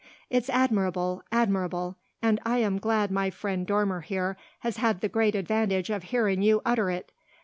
"It's admirable admirable; and I am glad my friend Dormer here has had the great advantage of hearing you utter it!"